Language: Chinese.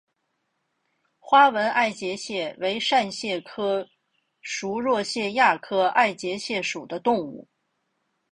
花纹爱洁蟹为扇蟹科熟若蟹亚科爱洁蟹属的动物。